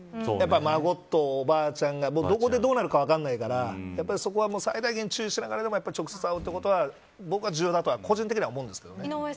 孫とおばあちゃんがどこでどうなるか分からないからそこは、最大限注意しながらでも直接会うこと僕は重要だと個人的には思うんですけどね